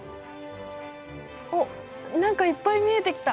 あっ何かいっぱい見えてきた。